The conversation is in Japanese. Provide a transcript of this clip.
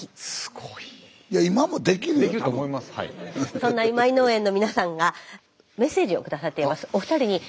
そんな今井農園の皆さんがメッセージを下さっています。